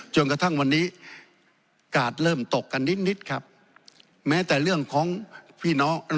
จนกระทั่งวันนี้กาดเริ่มตกกันนิดนิดครับแม้แต่เรื่องของพี่น้อง